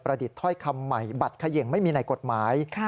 ดิษฐ์ถ้อยคำใหม่บัตรเขย่งไม่มีในกฎหมาย